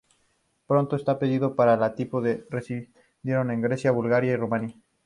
Pronto, más pedidos para el tipo se recibieron de Grecia, Bulgaria y Rumania.